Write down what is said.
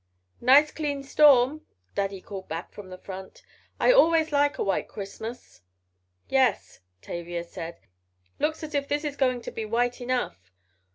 "Nice clean storm," Daddy called back from the front. "I always like a white Christmas." "Yes," Tavia said, "looks as if this is going to be white enough.